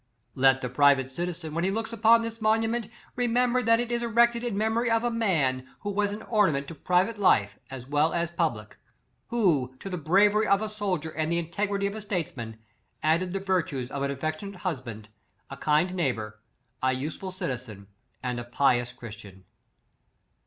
" Let the private citizen, when he looks upon this monument, remember that it is erected in memory of a man, who was an ornament to private life as well as pub lie; who, to the bravery of a soldier and the integrity of a statesman, added the virtues of an affectionate husband, a kind neighbor, an useful citizen, and a pious christian.